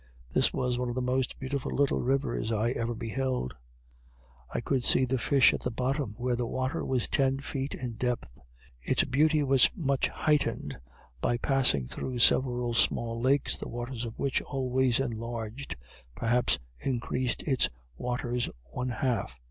This was one of the most beautiful little rivers I ever beheld I could see the fish at the bottom where the water was ten feet in depth its beauty was much heightened by passing through several small lakes, the waters of which always enlarged perhaps increased its waters one half.